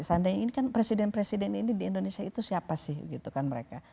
seandainya ini kan presiden presiden ini di indonesia itu siapa sih gitu kan mereka